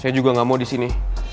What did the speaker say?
saya juga gak mau disini